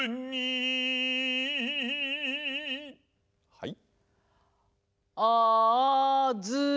はい。